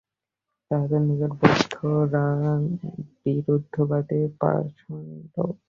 তাহাদের নিকট বৌদ্ধেরা বিরুদ্ধবাদী পাষণ্ড।